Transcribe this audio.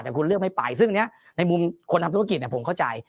แต่คุณเลือกไม่ไปซึ่งอันนี้ในมุมคนทำธุรกิจผมเข้าใจ